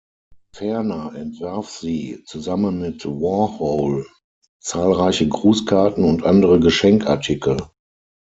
Ferner entwarf sie, zusammen mit Warhol, zahlreiche Grußkarten und andere Geschenkartikel.